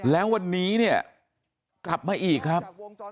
แล้ววันนี้เนี่ยกลับมาอีกครับ